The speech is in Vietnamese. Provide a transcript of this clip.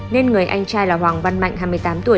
nên người anh trai là hoàng văn mạnh hai mươi tám tuổi